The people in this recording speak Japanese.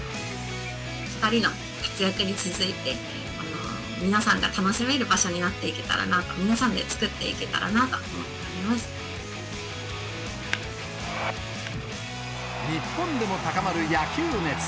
２人の活躍に続いて、皆さんが楽しめる場所になっていけたらなと、皆さんで作っていけ日本でも高まる野球熱。